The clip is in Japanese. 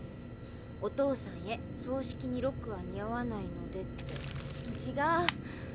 「お父さんへ葬式にロックは似合わないので」ってちがう。